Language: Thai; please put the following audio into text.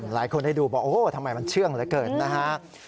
หลายคนได้ดูบอกโอ้โหทำไมมันเชื่องเหลือเกินนะฮะ